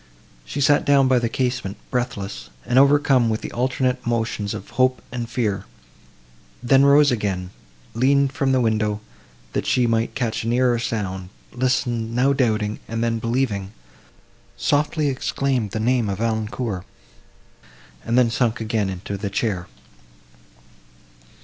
She sat down by the casement, breathless, and overcome with the alternate emotions of hope and fear; then rose again, leaned from the window, that she might catch a nearer sound, listened, now doubting and then believing, softly exclaimed the name of Valancourt, and then sunk again into the chair.